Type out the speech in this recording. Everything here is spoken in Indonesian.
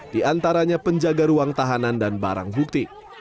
di antaranya penjaga ruang tahanan dan barang bukti